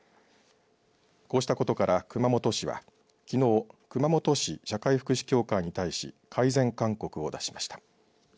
こうしたことから熊本市はきのう熊本市社会福祉協会に対し改善勧告を出しました。